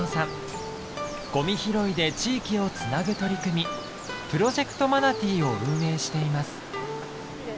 ゴミ拾いで地域を繋ぐ取り組みプロジェクトマナティを運営しています。